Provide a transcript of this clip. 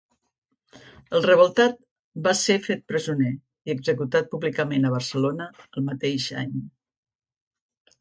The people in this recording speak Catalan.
El revoltat va ser fet presoner i executat públicament a Barcelona el mateix any.